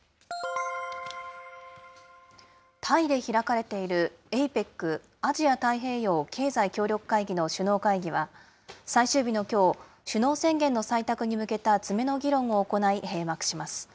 タイで開かれているＡＰＥＣ・アジア太平洋経済協力会議の首脳会議は、最終日のきょう、首脳宣言の採択に向けた詰めの議論を行い閉幕します。